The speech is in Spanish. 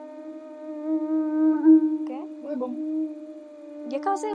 El emirato fue gobernado por la dinastía llamada de Aydin-oghlu.